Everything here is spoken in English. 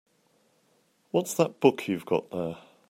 What's that book you've got there?